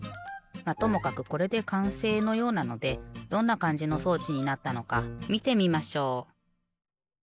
まっともかくこれでかんせいのようなのでどんなかんじの装置になったのかみてみましょう。